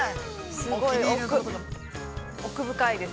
◆すごい、奥深いです。